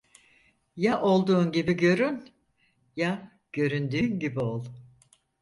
Ya olduğun gibi görün, ya göründüğün gibi ol.